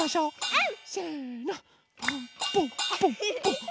はい。